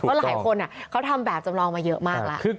เพราะหลายคนเขาทำแบบจำลองมาเยอะมากแล้ว